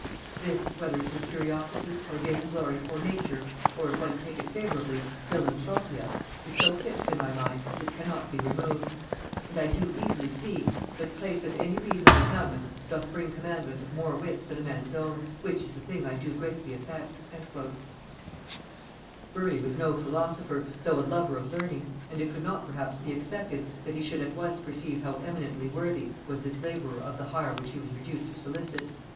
This, whether it be curiosity, or vain glory, or nature, or, if one take it favorably, philanthropia, is so fixed in my mind as it cannot be removed. And I do easily see, that place of any reasonable countenance doth bring commandment of more wits than a man's own; which is the thing I do greatly affect." Burleigh was no philosopher, though a lover of learning, and it could not perhaps be expected that he should at once perceive how eminently worthy was this laborer of the hire which he was reduced to solicit.